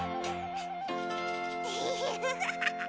フフフフ。